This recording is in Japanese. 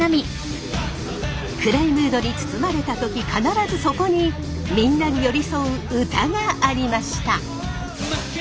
暗いムードに包まれた時必ずそこにみんなに寄りそう歌がありました。